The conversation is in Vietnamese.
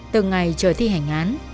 từng ngày trời thi hành án